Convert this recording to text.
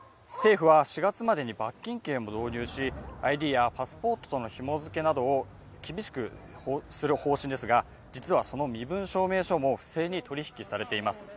政府は４月までに罰金刑も導入しＩＤやパスポートとのひも付けなどを厳しくする方針ですが実はその身分証明書も不正に取引されています。